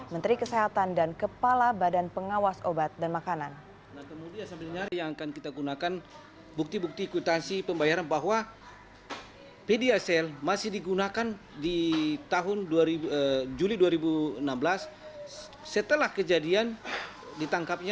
menteri kesehatan dan kepala badan pengawas obat dan makanan